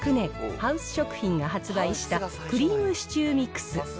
ハウス食品が発売したクリームシチューミクス。